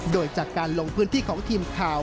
โดยจากการลงพื้นที่ของทีมข่าว